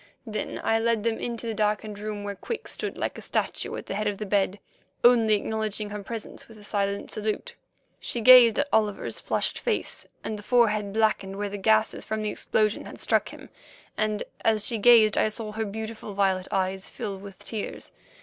Then I led them into the darkened room where Quick stood like a statue at the head of the bed, only acknowledging her presence with a silent salute. She gazed at Oliver's flushed face and the forehead blackened where the gases from the explosion had struck him, and as she gazed I saw her beautiful violet eyes fill with tears.